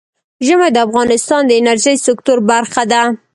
ژمی د افغانستان د انرژۍ سکتور برخه ده.